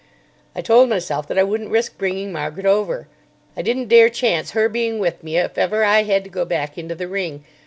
I told myself that I wouldn't risk bringing Margaret over. I didn't dare chance her being with me if ever I had to go back into the ring.